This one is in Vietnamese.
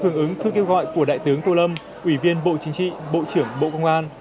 hương ứng thư kêu gọi của đại tướng tô lâm ủy viên bộ chính trị bộ trưởng bộ công an